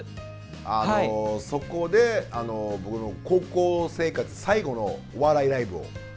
あのそこで僕の高校生活最後のお笑いライブを。